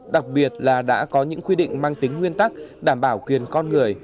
đặc biệt là đã có những quy định mang tính nguyên tắc đảm bảo quyền con người